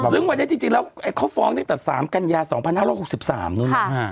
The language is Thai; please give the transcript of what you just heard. ซึ่งวันนี้จริงแล้วไอ้เค้าฟ้องเนี่ยตัดสามกัญญา๒๕๖๓นึงอะ